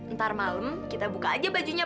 ntar malam kita buka aja bajunya